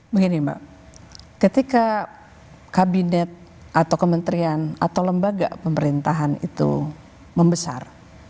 begini mbak ketika kabinet atau kementerian atau lembaga pemerintahan itu membesar